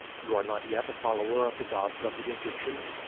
You are not yet a follower of the gods of the Egyptians?"